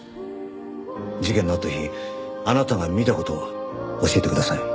事件のあった日あなたが見た事を教えてください。